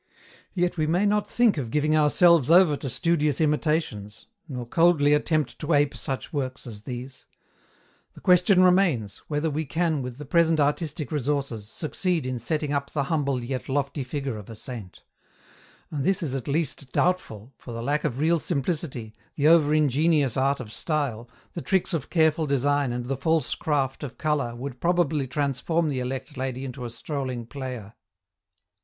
Yet we may not think of giving ourselves over to studious imitations, nor coldly attempt to ape such works as these. The question remains, whether we can with the present artistic resources, succeed in setting up the humble yet lofty figure of a saint ; and this is at least doubtful, for the lack of real simplicity, the over ingenious art of style, the tricks of careful design and the false craft of colour would probably transform the elect lady into a strolling player.